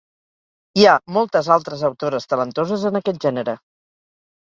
Hi ha moltes altres autores talentoses en aquest gènere